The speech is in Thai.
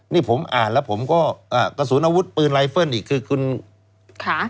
นี่ผมอ่านแล้วผมก็กระสุนอาวุธปืนไลเฟิลอีกคือคุณค่ะ